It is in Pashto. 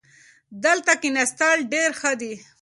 دلته کښېناستل ډېر ښه دي.